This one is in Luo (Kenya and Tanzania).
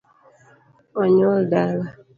Onyuol dala